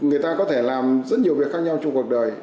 người ta có thể làm rất nhiều việc khác nhau trong cuộc đời